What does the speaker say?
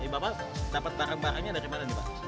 bapak dapat barang barangnya dari mana nih pak